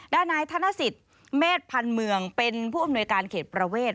ด้านนายธนสิทธิ์เมษพันธ์เมืองเป็นผู้อำนวยการเขตประเวท